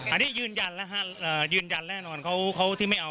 อันนี้ยืนยันแน่นอนเขาที่ไม่เอา